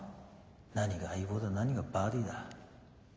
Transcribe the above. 何が相棒だ何がバディーだ。